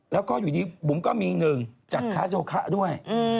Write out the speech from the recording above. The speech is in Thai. แล้วก็บุ๋มก็มีเงินจัดค้าโยคะด้วย